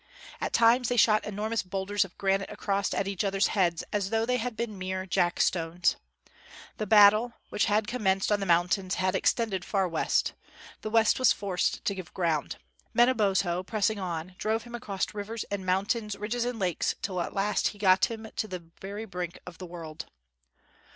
At times they shot enormous boulders of granite across at each other's heads, as though they had been mere jack stones. The battle, which had commenced on the mountains, had extended far west. The West was forced to give ground. Manabozho pressing on, drove him across rivers and mountains, ridges and lakes, till at last he got him to the very brink of the world.